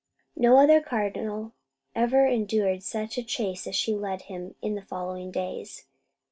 No other cardinal ever endured such a chase as she led him in the following days.